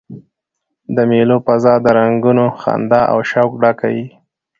د مېلو فضا د رنګونو، خندا او شوق ډکه يي.